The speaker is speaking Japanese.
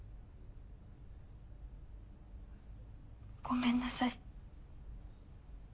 ごめんなさい。